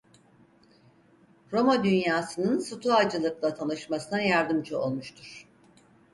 Roma dünyasının Stoacılık'la tanışmasına yardımcı olmuştur.